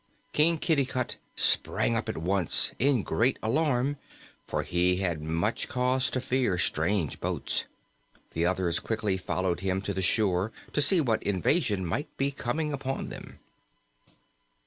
King Kitticut sprang up at once, in great alarm, for he had much cause to fear strange boats. The others quickly followed him to the shore to see what invasion might be coming upon them.